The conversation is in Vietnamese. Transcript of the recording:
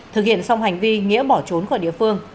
thực hiện xong hành vi nghĩa bỏ trốn khỏi địa phương